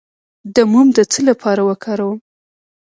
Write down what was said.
د موم د څه لپاره وکاروم؟